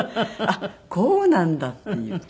あっこうなんだっていう。